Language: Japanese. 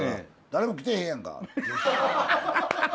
「誰も来てへんやん。